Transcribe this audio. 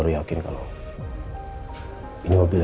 waktunya ini dia menyertakan mobil b